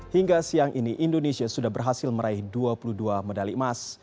hingga siang ini indonesia sudah berhasil meraih dua puluh dua medali emas